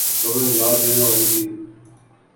خبر ہلا دینے والی تھی۔